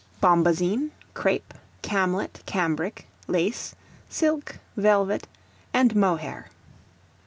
BOMBAZINE, CRAPE, CAMLET, CAMBRIC, LACE, SILK, VELVET, AND MOHAIR.